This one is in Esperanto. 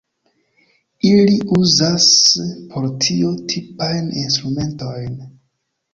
Ili uzas por tio tipajn instrumentojn.